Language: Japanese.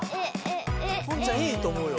ポンちゃんいいと思うよ。